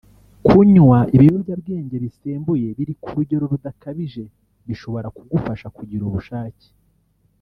Kunywa ibinyombwa bisembuye biri ku rugero rudakabije bishobora kugufasha kugira ubushake